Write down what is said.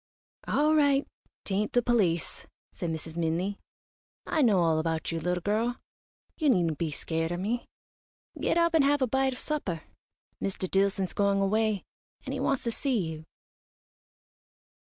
"All right 'tain't the police," said Mrs. Minley. "I know all about you, little girl. You needn't be scared o' me. Get up and have a bite of supper. Mr. Dillson's going away, and he wants to see you."